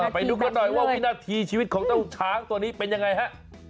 ไปดูกันหน่อยว่าวินาทีชีวิตของเจ้าช้างตัวนี้เป็นยังไงฮะ